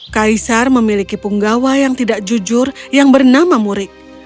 kaisar memiliki punggawa yang tidak jujur yang bernama murik